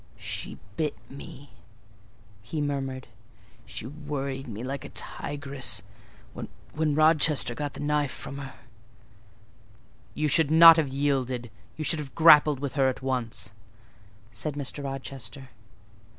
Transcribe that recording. "She bit me," he murmured. "She worried me like a tigress, when Rochester got the knife from her." "You should not have yielded: you should have grappled with her at once," said Mr. Rochester.